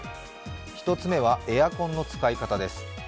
１つ目はエアコンの使い方です。